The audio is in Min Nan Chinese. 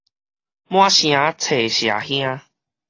滿城揣社兄